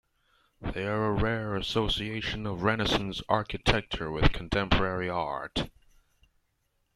They are a rare association of Renaissance architecture with contemporary art.